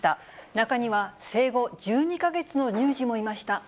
中には、生後１２か月の乳児もいました。